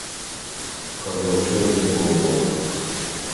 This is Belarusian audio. Каб жа ўсё з ім было добра!